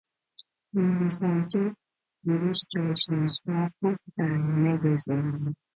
He also did illustrations for books and magazines.